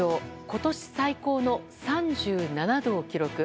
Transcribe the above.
今年最高の３７度を記録。